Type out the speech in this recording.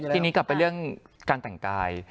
ทีนี้กลับไปเรื่องการแต่งกาย